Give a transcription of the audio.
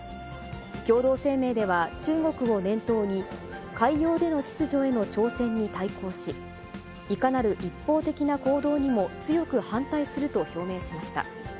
共同声明では中国を念頭に、海洋での秩序への挑戦に対抗し、いかなる一方的な行動にも強く反対すると表明しました。